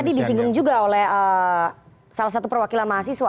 tadi disinggung juga oleh salah satu perwakilan mahasiswa